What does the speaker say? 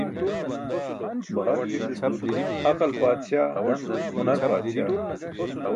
Aql paatśaa, hunar paatśaa.